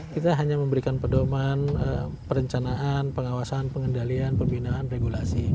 kita hanya memberikan pedoman perencanaan pengawasan pengendalian pembinaan regulasi